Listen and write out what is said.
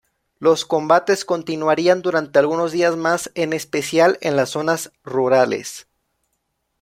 Los combates continuarían durante algunos días más, en especial en las zonas rurales.